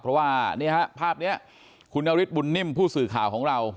เพราะว่านี่ฮะภาพนี้คุณนฤทธบุญนิ่มผู้สื่อข่าวของเรา